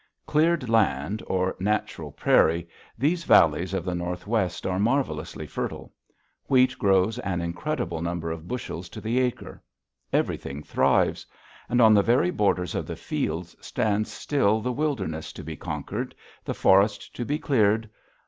Cleared land or natural prairie, these valleys of the Northwest are marvelously fertile. Wheat grows an incredible number of bushels to the acre. Everything thrives. And on the very borders of the fields stands still the wilderness to be conquered, the forest to be cleared.